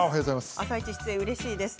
「あさイチ」出演うれしいですね。